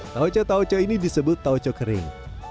taoco taoco ini disebut taoco kering